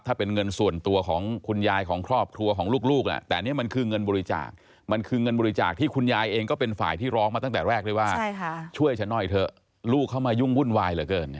ถ้าเป็นเงินส่วนตัวของคุณยายของครอบครัวของลูกแต่อันนี้มันคือเงินบริจาคมันคือเงินบริจาคที่คุณยายเองก็เป็นฝ่ายที่ร้องมาตั้งแต่แรกด้วยว่าช่วยฉันหน่อยเถอะลูกเข้ามายุ่งวุ่นวายเหลือเกิน